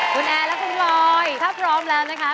คุณแอร์และคุณพลอยถ้าพร้อมแล้วนะคะ